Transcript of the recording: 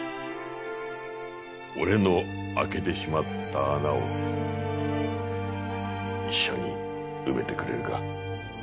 俺の開けてしまった穴を一緒に埋めてくれるか？